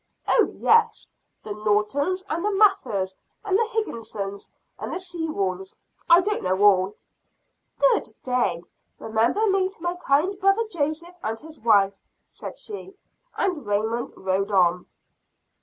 "Oh, yes the Nortons and the Mathers and the Higginsons and the Sewalls I don't know all. "Good day; remember me to my kind brother Joseph and his wife," said she, and Raymond rode on.